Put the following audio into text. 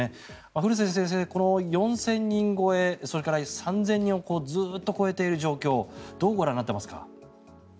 古瀬先生、この４０００人超えそれから３０００人をずっと超えている状況をどうご覧になっていますか？